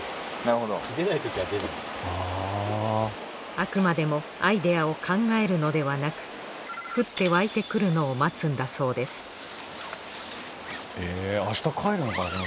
あくまでもアイディアを考えるのではなく降って湧いてくるのを待つんだそうですへ明日帰るのかな